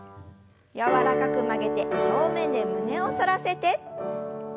柔らかく曲げて正面で胸を反らせて。